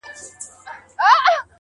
• ستا تصوير خپله هينداره دى زما گراني .